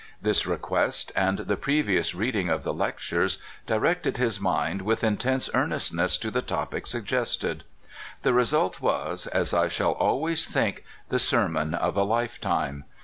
This request, and the previous reading of the lectures, directed his mind with intense earnestness to the topic suggest ed. The result was, as I shall always think, the sermon of a lifetime.